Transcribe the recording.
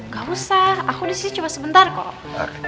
gak usah aku disini cuma sebentar kok